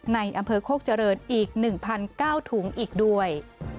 ในอำเภอโคกเจริญอีก๑๙ถุงอีกด้วย